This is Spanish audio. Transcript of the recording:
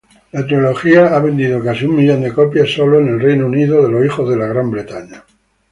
La trilogía ha vendido casi un millón de copias solo en el Reino Unido.